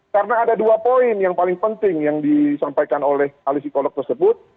karena ada dua poin yang paling penting yang disampaikan oleh ahli psikolog tersebut